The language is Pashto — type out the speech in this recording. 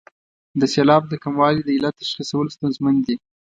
د سېلاب د کموالي د علت تشخیصول ستونزمن دي.